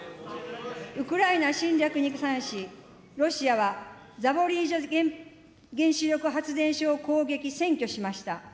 ウクライナ侵略に際し、ロシアはザポリージャ原子力発電所を攻撃、占拠しました。